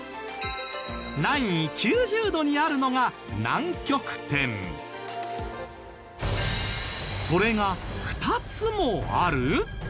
南緯９０度にあるのがそれが２つもある！？